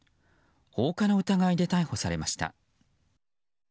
放火の疑いで逮捕されました。